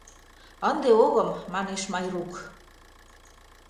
— Ынде огым, — манеш Майрук.